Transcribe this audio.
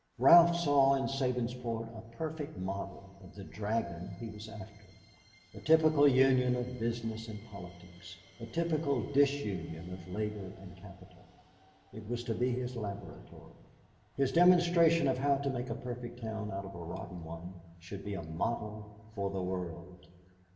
Ralph saw in Sabinsport a perfect model of the dragon he was after, a typical union of Business and Politics, a typical disunion of labor and capital. It was to be his laboratory. His demonstration of how to make a perfect town out of a rotten one should be a model for the world.